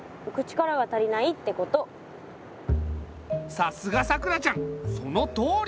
さすがさくらちゃんそのとおり！